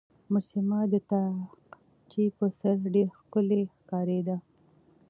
مجسمه د تاقچې په سر ډېره ښکلې ښکارېده.